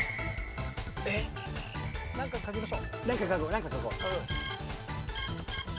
えっ⁉何か書きましょう。